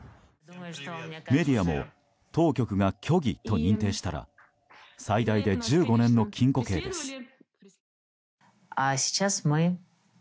メディアも当局が虚偽と認定したら最大で１５年の禁錮刑です。